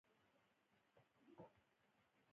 دوی هلته ډېرې کيندنې وکړې او ستومانۍ يې وګاللې.